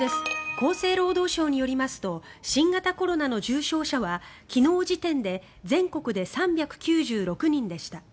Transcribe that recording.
厚生労働省によりますと新型コロナの重症者は昨日時点で全国で３９６人でした。